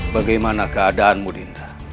bagaimana keadaanmu dinda